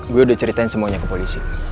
gue udah ceritain semuanya ke polisi